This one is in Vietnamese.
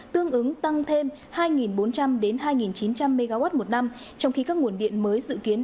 tương ứng tăng thêm hai bốn trăm linh hai chín trăm linh mw một năm trong khi các nguồn điện mới dự kiến